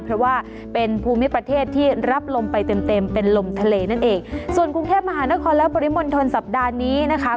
เพราะว่าเป็นภูมิประเทศที่รับลมไปเต็มเต็มเป็นลมทะเลนั่นเองส่วนกรุงเทพมหานครและปริมณฑลสัปดาห์นี้นะคะ